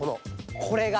これが。